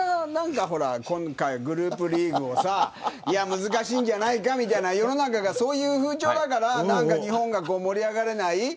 今回グループリーグをさ難しいんじゃないかみたいな世の中がそういう風潮だから日本が盛り上がれない。